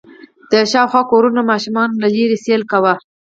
د شاوخوا کورونو ماشومانو له لېرې سيل کوه.